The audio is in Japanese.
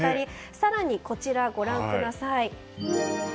更に、こちらをご覧ください。